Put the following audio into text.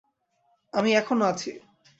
আমি এখনো আছি!